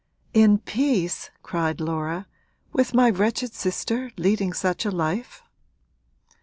'In peace!' cried Laura; 'with my wretched sister leading such a life?'